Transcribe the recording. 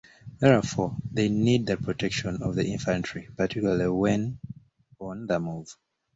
Therefore, they need the protection of the infantry, particularly when on the move.